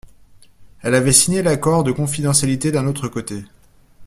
Elle avait signé l’accord de confidentialité, d’un autre côté.